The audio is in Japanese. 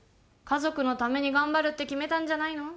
家族のために頑張るって決めたんじゃないの？